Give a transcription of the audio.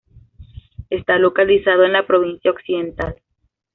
Está localizado en la Provincia Occidental.